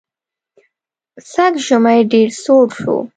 سږ ژمی ډېر سوړ شو.